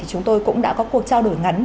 chúng tôi cũng đã có cuộc trao đổi ngắn